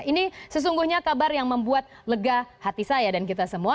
ini sesungguhnya kabar yang membuat lega hati saya dan kita semua